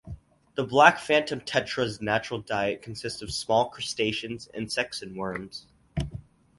The black phantom tetra's natural diet consist of small crustaceans, insects, and worms.